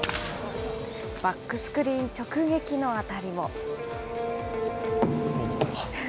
バックスクリーン直撃の当たりも。